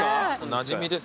なじみです